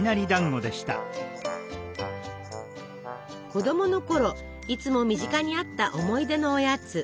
子供のころいつも身近にあった思い出のおやつ。